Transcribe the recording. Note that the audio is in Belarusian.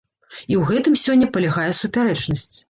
І ў гэтым сёння палягае супярэчнасць.